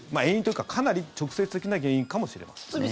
遠因というか、かなり直接的な原因かもしれません。